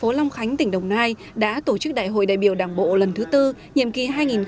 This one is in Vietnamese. hoàn thành tổ chức đại hội đại biểu đảng bộ lần thứ tư nhiệm ký hai nghìn hai mươi hai nghìn hai mươi năm